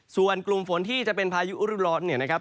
ส่วนกลุ่มฝนที่จะเป็นพายุรุร้อนเนี่ยนะครับ